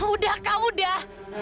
udah kak udah